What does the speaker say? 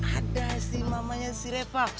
ada si mamanya si reva